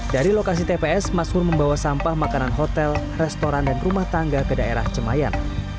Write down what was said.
dari lokasi tps mas hur membawa sampah makanan hotel restoran dan rumah tangga ke daerah cemayan